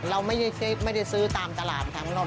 เราไม่ได้ซื้อตามตลาดของเรา